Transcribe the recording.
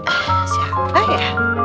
eh siapa ya